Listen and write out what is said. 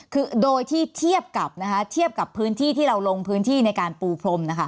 คือโดยที่เทียบกับพื้นที่ที่เราลงพื้นที่ในการปูพรม